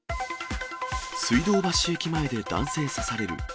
水道橋駅前で男性刺される。